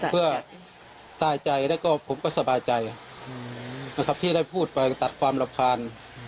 เพื่อตายใจแล้วก็ผมก็สบายใจนะครับที่ได้พูดไปตัดความรำคาญ